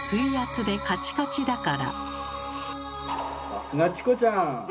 さすがチコちゃん！